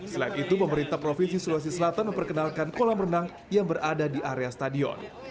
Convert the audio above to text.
selain itu pemerintah provinsi sulawesi selatan memperkenalkan kolam renang yang berada di area stadion